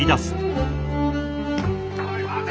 おい待て！